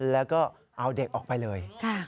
แล้วก็เอาเด็กออกไปเลย